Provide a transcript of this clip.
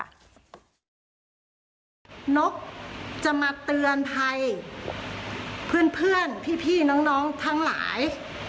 นกจะมาเตือนภัยเพื่อนเพื่อนพี่พี่น้องน้องทั้งหลาย